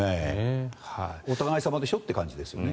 お互い様でしょという感じですよね。